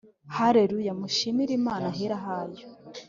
Haleluya mushimire imana ahera hayo